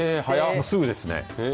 すぐですね。